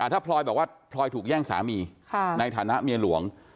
ถ้าพลอยบอกว่าพลอยถูกแย่งสามีในฐานะเมียหลวง